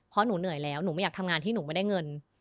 เพราะหนูเหนื่อยแล้วหนูไม่อยากทำงานที่หนูไม่ได้เงิน